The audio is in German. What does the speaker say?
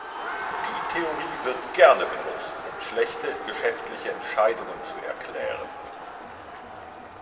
Die Theorie wird gerne benutzt, um schlechte geschäftliche Entscheidungen zu erklären.